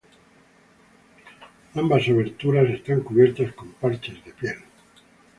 Ambas aberturas están cubiertas con parches de piel.